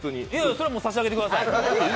それはもう差し上げてください。